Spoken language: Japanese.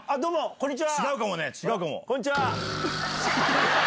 こんにちは。